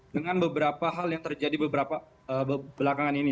dengan beberapa hal yang terjadi beberapa belakangan ini